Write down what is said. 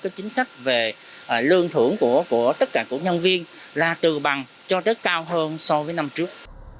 thì lương thưởng của tất cả các nhân viên là từ bằng cho đến cao hơn so với năm trước